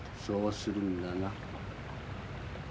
そうするんだな。